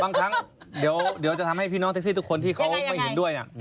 บางครั้งเดี๋ยวจะทำให้พี่น้องแท็กซี่ทุกคนที่เขาไม่เห็นด้วย